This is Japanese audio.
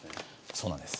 そうなんです。